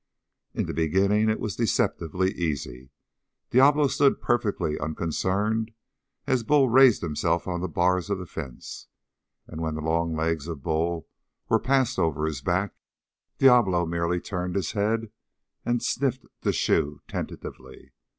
In the beginning it was deceptively easy. Diablo stood perfectly unconcerned as Bull raised himself on the bars of the fence. And when the long legs of Bull were passed over his back, Diablo merely turned his head and sniffed the shoe tentatively.